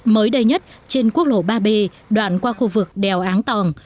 mới đây nhất trên quốc lộ ba b đoạn qua khu vực đèo áng tòng